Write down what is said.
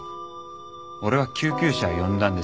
俺は救急車を呼んだんです。